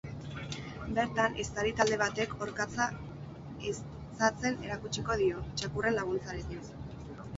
Bertan, ehiztari talde batek orkatza ehizatzen erakutsiko dio, txakurren laguntzarekin.